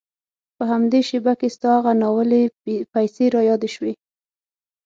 په همدې شېبه کې ستا هغه ناولې پيسې را یادې شوې.